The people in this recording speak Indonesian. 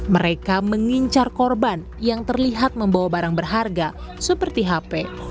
mereka mengincar korban yang terlihat membawa barang berharga seperti hp